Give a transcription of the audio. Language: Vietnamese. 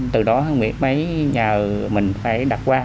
từ đó nguyệt mới nhờ mình phải đặt qua